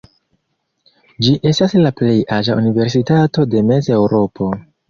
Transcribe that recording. Ĝi estas la plej aĝa universitato de Mez-Eŭropo.